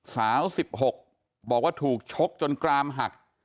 สาว๑๖บอกว่าถูกชกจนกรามหัก